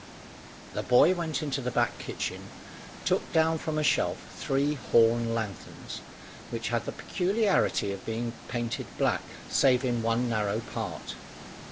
The boy went into the back kitchen, took down from a shelf three horn lanthorns, which had the peculiarity of being painted black save in one narrow part.